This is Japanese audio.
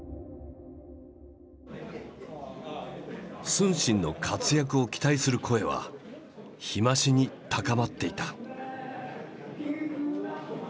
承信の活躍を期待する声は日増しに高まっていた。